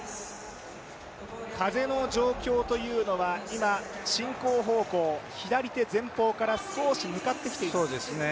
風の状況というのは今、進行方向、左手前方から少し向かってきている。